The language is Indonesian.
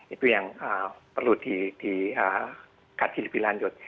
itu yang perlu dikaji lebih lanjut